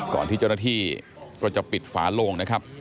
ก่อนที่เจ้าหน้าที่ก็จะปิดฝาโลงนะครับ